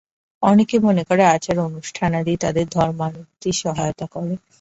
অনেকে মনে করে, আচার-অনুষ্ঠানাদি তাদের ধর্মানুভূতির সহায়তা করে।